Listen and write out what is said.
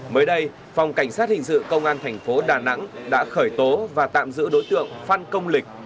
mới đây phòng cảnh sát hình sự công an thành phố đà nẵng đã khởi tố và tạm giữ đối tượng phan công lịch